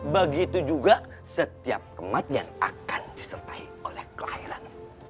begitu juga setiap kematian akan disertai oleh kelahiran